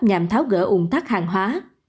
nhằm tháo gỡ ủng thắt hàng hóa